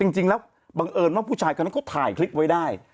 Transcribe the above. จริงแล้วบังเอิญว่าก็พี่ชายก็ถ่ายคลิ้กไว้ได้